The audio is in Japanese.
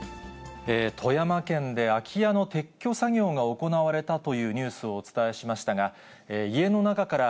富山県で空き家の撤去作業が行われたというニュースをお伝えしましたが、家の中から、